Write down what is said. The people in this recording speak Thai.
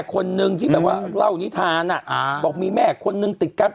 คนนึงที่แบบว่าเล่านิทานบอกมีแม่คนนึงติดกัน